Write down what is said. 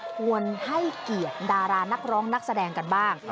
ควรให้เกียรติดารานักร้องนักแสดงกันบ้าง